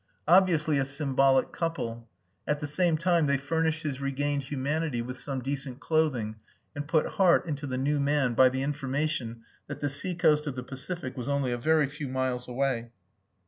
Obviously a symbolic couple. At the same time they furnished his regained humanity with some decent clothing, and put heart into the new man by the information that the seacoast of the Pacific was only a very few miles away.